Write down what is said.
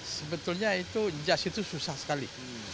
sebetulnya itu jas itu susah sekali